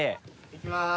いきます